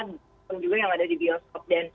dan juga yang ada di bioskop